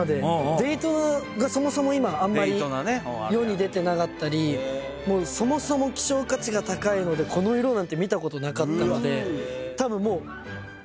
デイトナがそもそも今あんまり世に出てなかったりそもそも希少価値が高いのでこの色なんて見たことなかったのでたぶんもう。